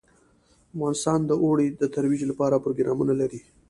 افغانستان د اوړي د ترویج لپاره پروګرامونه لري.